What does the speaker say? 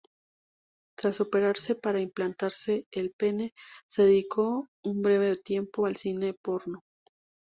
Tras operarse para implantarse el pene, se dedicó un breve tiempo al cine porno.